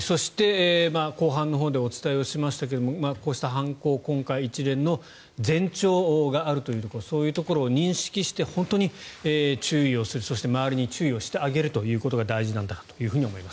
そして後半のほうでお伝えしましたがこうした犯行、今回一連の前兆があるというところそういうところを認識して本当に注意をするそして、周りに注意をしてあげることが大事なんだと思います。